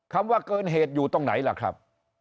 คำว่าเกินเหตุอยู่ตรงไหนล่ะครับ